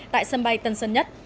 tại sân bay tân sân nhất